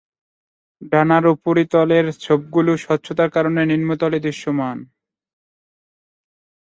ডানার উপরিতলের ছোপগুলি স্বচ্ছতার কারণে নিম্নতলে দৃশ্যমান।